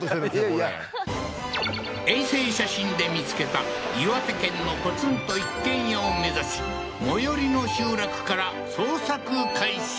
これ衛星写真で見つけた岩手県のポツンと一軒家を目指し最寄りの集落から捜索開始